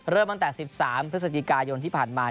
เริ่มตั้งแต่๑๓พฤศจิกายนที่ผ่านมา